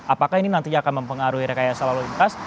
apakah ini nantinya akan mempengaruhi rekayasa lalu lintas